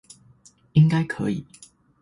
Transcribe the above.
應該可以